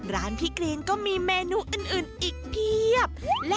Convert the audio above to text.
ร้านพี่กรีนก็มีเมนูอื่นอีกเพียบ